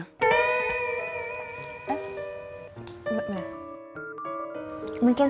kemarin bisa ngapain ya